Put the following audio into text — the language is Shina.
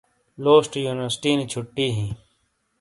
لوشٹے یونیورسٹی نی چھٹی ہی